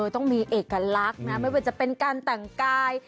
ต้องมีเอกลักษณ์นะไม่ว่าจะเป็นการแต่งกาย